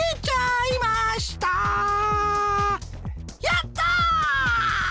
やった！